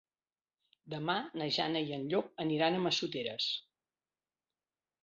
Demà na Jana i en Llop aniran a Massoteres.